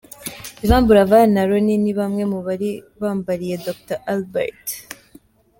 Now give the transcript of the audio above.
Yvan Buravan na Ronnie ni bamwe mu bari bambariye Dr Albert.